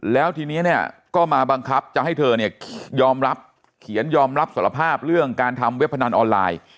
แล้วทีนี้เนี่ยก็มาบังคับจะให้เธอเนี่ยยอมรับเขียนยอมรับสารภาพเรื่องการทำเว็บพนันออนไลน์